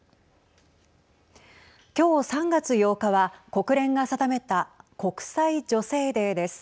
今日３月８日は国連が定めた国際女性デーです。